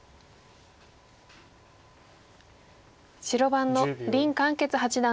白番の林漢傑八段です。